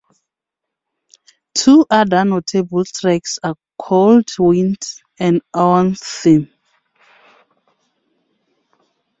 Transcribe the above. Two other notable tracks are "Cold Wind" and "Anwar's Theme".